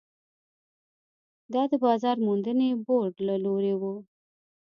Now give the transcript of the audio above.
دا د بازار موندنې بورډ له لوري وو.